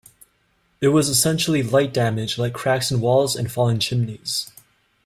It was essentially light damage like cracks in walls and fallen chimneys.